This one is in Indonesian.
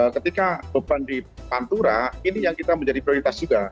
ketika beban di pantura ini yang kita menjadi prioritas juga